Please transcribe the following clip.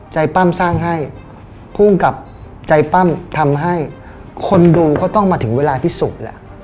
ปั้มสร้างให้ภูมิกับใจปั้มทำให้คนดูก็ต้องมาถึงเวลาพิสูจน์แหละ